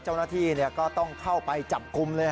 เจ้ามนาฏี่ก็ต้องเข้าไปจับกุมเลยฮะ